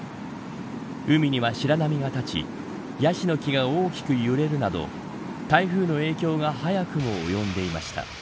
海には白波が立ちヤシの木が大きく揺れるなど台風の影響が早くも及んでいました。